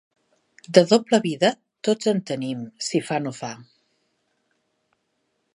De doble vida tots en tenim, si fa no fa.